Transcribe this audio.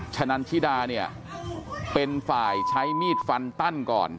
ฉะนั้นชิดาเป็นฝ่ายใช้มีดฟันตั้นก่อน